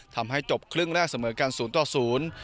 ทำให้จบครึ่งแรกเสมอกัน๐๐